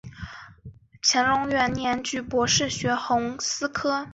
乾隆元年举博学鸿词科。